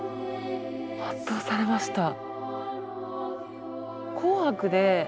圧倒されました。